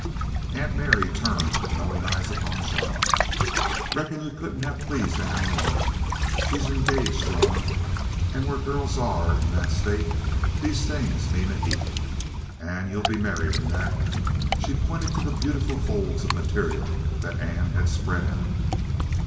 Aunt Mary turned knowing eyes upon Jean. "Reckon you couldn't have pleased Ann more. She's engaged, Jean, an' where girls are in that state these things mean a heap.... Ann, you'll be married in that!" And she pointed to the beautiful folds of material that Ann had spread out.